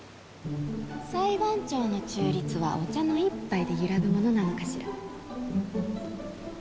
裁判長の中立はお茶の一杯で揺らぐものなのかしら。